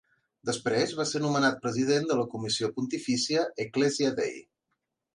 Després va ser nomenat president de la Comissió Pontifícia "Ecclesia Dei".